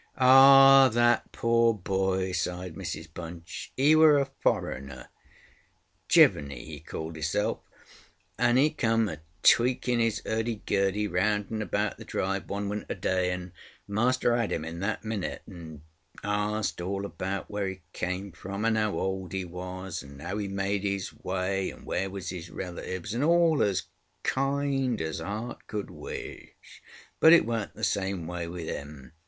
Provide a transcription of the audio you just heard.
ŌĆ£Ah, that pore boy! ŌĆØ sighed Mrs Bunch. ŌĆ£He were a foreignerŌĆöJevanny he called hisselfŌĆöand he come a tweaking his ŌĆÖurdy gurdy round and about the drive one winter day, and master ŌĆÖad him in that minute, and ast all about where he came from, and how old he was, and how he made his way, and where was his relatives, and all as kind as heart could wish. But it went the same way with him.